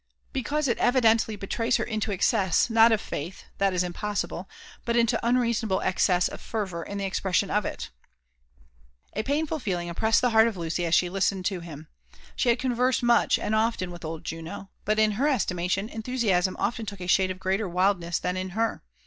"" Because it evidently betrays her into excess, not of faith — ^that is impossible I — but into unreasonable excess of fervour in the expression of it." A painful feeling oppressed the heart of Lucy as she listened to him. She had conversed much and often with old Juno ; but, in her estimation, enthusiasm often took a shade of greater wildness than in her.